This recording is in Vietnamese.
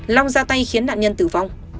long ra tay khiến nạn nhân tử vong